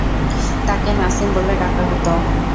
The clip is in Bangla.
তাঁকে নাসিম বলে ডাকা হত।